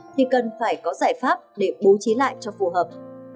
thì cần phải có giải pháp để bố trí lại cho phù hợp